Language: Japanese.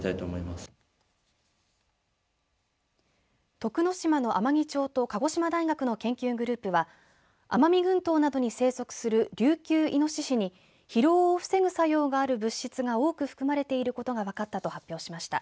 徳之島の天城町と鹿児島大学の研究グループは奄美群島などに生息するリュウキュウイノシシに疲労を防ぐ作用が多くある物質が含まれていることが分かったと発表しました。